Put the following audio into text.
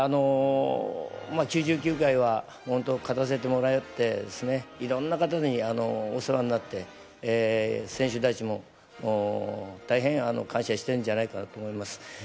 ９９回は勝たせてもらって、いろんな方にお世話になって、選手たちも大変感謝しているんじゃないかと思います。